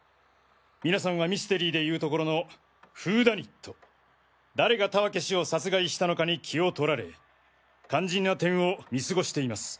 皆さんはミステリーで言うところのフーダニット誰が田分氏を殺害したのかに気を取られ肝心な点を見すごしています！